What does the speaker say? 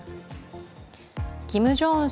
キム・ジョンウン